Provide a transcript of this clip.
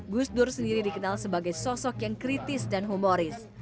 gus dur sendiri dikenal sebagai sosok yang kritis dan humoris